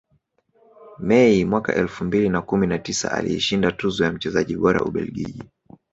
Mei mwaka elfu mbili na kumi na tisa aliishinda tuzo ya mchezaji bora Ubelgiji